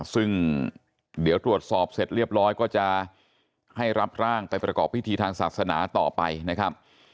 ซึ่งเดี๋ยวตรวจสอบเสร็จเรียบร้อยก็จะให้รับร่างไปประกอบพิธีทางศาสนาต่อไปนะครับ